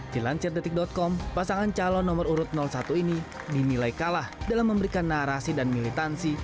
dilansir detik com pasangan calon nomor urut satu ini dinilai kalah dalam memberikan narasi dan militansi